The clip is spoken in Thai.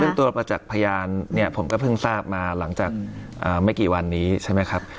ซึ่งตัวประจักษ์พยานเนี่ยผมก็เพิ่งทราบมาหลังจากไม่กี่วันนี้ใช่ไหมครับ